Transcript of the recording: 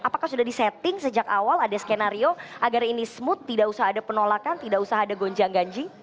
apakah sudah disetting sejak awal ada skenario agar ini smooth tidak usah ada penolakan tidak usah ada gonjang ganjing